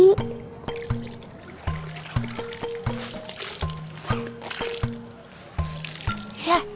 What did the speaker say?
tapi ilmunya tinggi